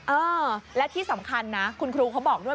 เออและที่สำคัญนะคุณครูเขาบอกด้วย